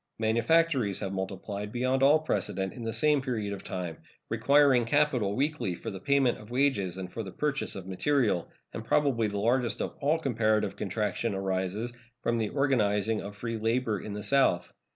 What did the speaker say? Manufactories have multiplied beyond all precedent in the same period of time, requiring capital weekly for the payment of wages and for the purchase of material; and probably the largest of all comparative contraction arises from the organizing of free labor in the South.